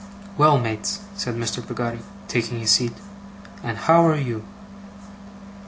'Well, Mates,' said Mr. Peggotty, taking his seat, 'and how are you?